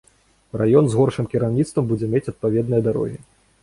Раён з горшым кіраўніцтвам будзе мець адпаведныя дарогі.